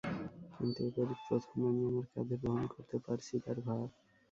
কিন্তু এবারই প্রথম, আমি আমার কাঁধে বহন করতে পারছি তাঁর ভার।